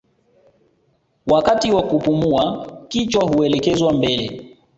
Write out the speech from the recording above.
Wakati wa kupumua kichwa huelekezwa mbele